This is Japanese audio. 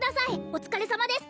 お疲れさまです